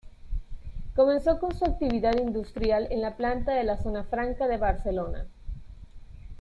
Comenzó con su actividad industrial en la planta de la Zona Franca de Barcelona.